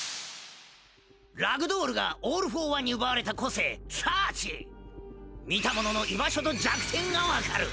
ラグドールがオール・フォー・ワンに奪われた個性サーチ見た者の居場所と弱点がわかる！